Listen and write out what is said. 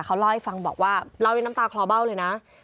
เขาเล่าให้ฟังบอกว่าเล่าด้วยน้ำตาคลอเบ้าเลยนะ